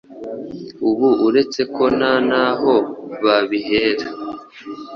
Ubu uretse ko nta n’aho babihera,